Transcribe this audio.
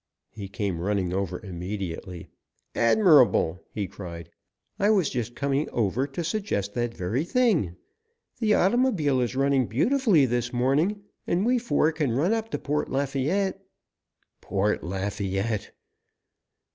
He came running over immediately. "Admirable!" he cried. "I was just coming over to suggest that very thing. The automobile is running beautifully this morning, and we four can run up to Port Lafayette " Port Lafayette!